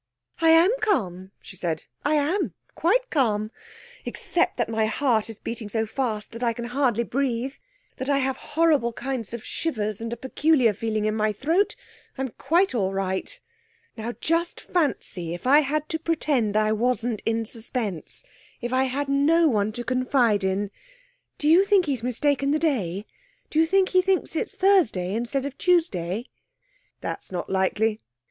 'I am calm,' she said. 'I am; quite calm. Except that my heart is beating so fast that I can hardly breathe, that I have horrible kinds of shivers and a peculiar feeling in my throat, I'm quite all right. Now, just fancy if I had to pretend I wasn't in suspense! If I had no one to confide in!... Do you think he's mistaken the day? Do you think he thinks it's Thursday instead of Tuesday?' 'That's not likely.'